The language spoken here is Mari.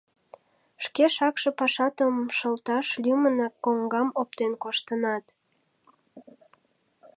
«Шке шакше пашатым шылташ лӱмынак коҥгам оптен коштынат.